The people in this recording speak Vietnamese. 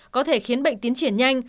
có thể khiến bệnh tiến triển nhanh